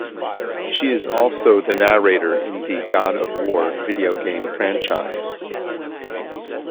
She is also the narrator in the "God of War" video game franchise.